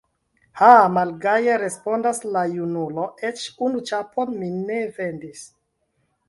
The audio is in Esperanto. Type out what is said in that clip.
Ha, malgaje respondas la junulo, eĉ unu ĉapon mi ne vendis!